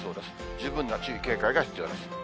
十分な注意、警戒が必要です。